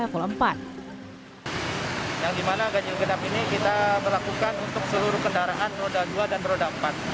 yang dimana ganjil genap ini kita berlakukan untuk seluruh kendaraan roda dua dan roda empat